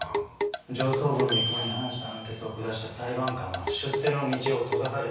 上層部の意向に反した判決を下した裁判官は出世の道を閉ざされる。